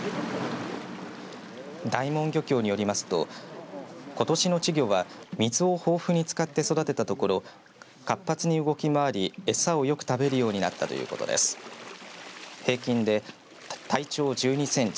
大門漁協によりますとことしの稚魚は水を豊富に使って育てたところ活発に動き回りえさをよく食べるようになったということです。